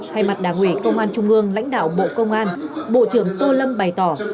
thay mặt đảng ủy công an trung ương lãnh đạo bộ công an bộ trưởng tô lâm bày tỏ